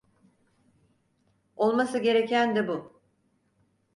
Olması gereken de bu.